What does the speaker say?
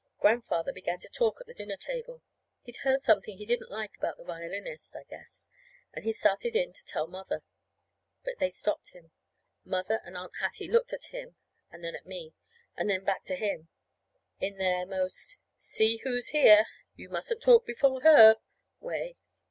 Grandfather began to talk at the dinner table. He'd heard something he didn't like about the violinist, I guess, and he started in to tell Mother. But they stopped him. Mother and Aunt Hattie looked at him and then at me, and then back to him, in their most see who's here! you mustn't talk before her way.